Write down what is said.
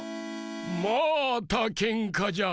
またけんかじゃ。